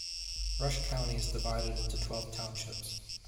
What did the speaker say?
Rush County is divided into twelve townships.